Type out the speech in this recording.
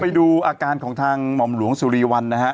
ไปดูอาการของทางหม่อมหลวงสุรีวันนะฮะ